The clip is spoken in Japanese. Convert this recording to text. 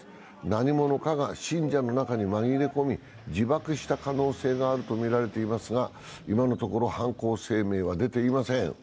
何者かが信者の中に紛れ込み、自爆した可能性があるとみられていますが、今のところ犯行声明は出ていません。